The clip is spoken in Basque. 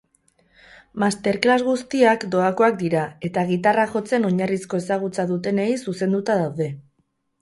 Masterclass guztiak doakoak dira eta gitarra jotzen oinarrizko ezagutza dutenei zuzenduta daude.